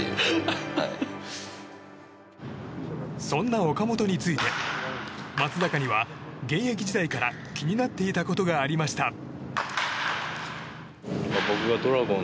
そんな岡本について、松坂には現役時代から気になっていたことがありました。